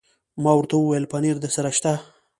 ما ورته وویل: پنیر درسره شته؟